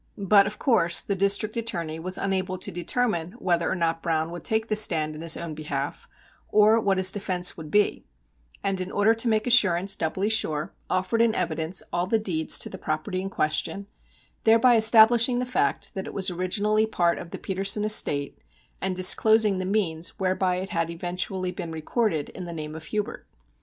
But, of course, the District Attorney was unable to determine whether or not Browne would take the stand in his own behalf, or what his defence would be, and, in order to make assurance doubly sure, offered in evidence all the deeds to the property in question, thereby establishing the fact that it was originally part of the Petersen estate, and disclosing the means whereby it had eventually been recorded in the name of Hubert.